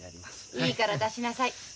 いいから出しなさい。